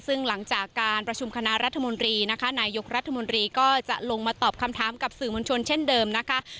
ซึ่งหลังจากการประชุมคณะรัฐมนตรีนะคะนายกรัฐมนตรีก็จะลงมาตอบคำถามกับสื่อมวลชนเช่นเดิมนะคะ